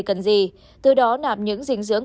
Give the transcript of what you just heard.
cần gì từ đó nạp những dinh dưỡng